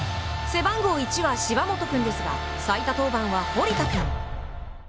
背番号１は芝本君ですが最多登板は堀田君。